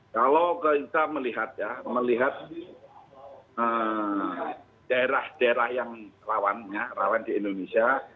kalau kita melihat ya melihat daerah daerah yang rawan di indonesia